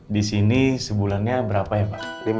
di sini sebulannya berapa ya pak